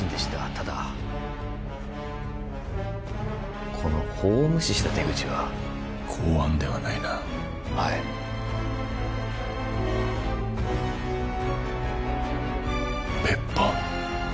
ただこの法を無視した手口は公安ではないなはい別班？